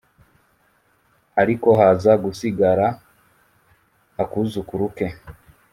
ariko haza gusigara a kuzukuru ke